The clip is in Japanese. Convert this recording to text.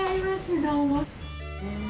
どうもー。